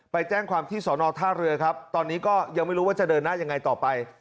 ไปแจ้งความที่สอนอท่าเรือครับตอนนี้ก็ยังไม่รู้ว่าจะเดินหน้ายังไงต่อไป